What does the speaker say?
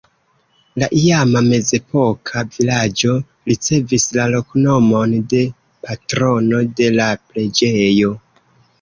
La iama mezepoka vilaĝo ricevis la loknomon de patrono de la preĝejo.